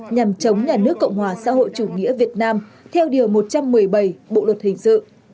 nhằm chống nhà nước cộng hòa xã hội chủ nghĩa việt nam theo điều một trăm một mươi bảy bộ luật hình sự